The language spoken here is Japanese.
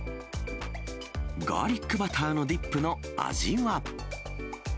ガーリックバターのディップの味